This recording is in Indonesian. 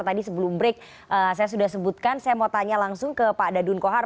tadi sebelum break saya sudah sebutkan saya mau tanya langsung ke pak dadun kohar